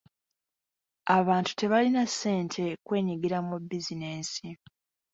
Abantu tebalina ssente kwenyigira mu bizinensi.